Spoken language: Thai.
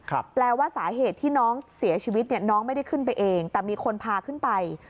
แปลว่าสาเหตุที่น้องเสียชีวิตเนี่ยน้องไม่ได้ขึ้นไปเองแต่มีคนพาขึ้นไป